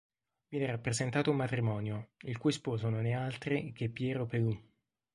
Viene rappresentato un matrimonio, il cui sposo non è altri che Piero Pelù.